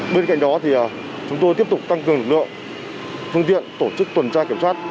bên cạnh đó thì chúng tôi tiếp tục tăng cường lực lượng phương tiện tổ chức tuần tra kiểm soát